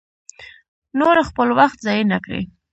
نور خپل وخت ضایع نه کړي.